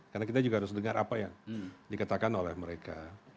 karena kita juga harus dengar apa yang dikatakan oleh mereka